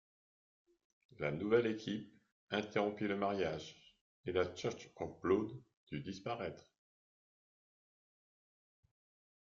La nouvelle équipe interrompit le mariage et la Church Of Blood dut disparaître.